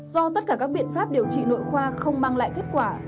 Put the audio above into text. do tất cả các biện pháp điều trị nội khoa không mang lại kết quả